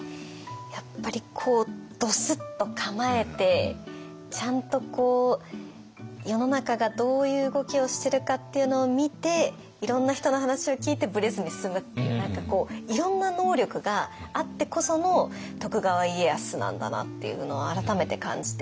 やっぱりこうドスッと構えてちゃんと世の中がどういう動きをしてるかっていうのを見ていろんな人の話を聞いてブレずに進むっていう何かこういろんな能力があってこその徳川家康なんだなっていうのを改めて感じて。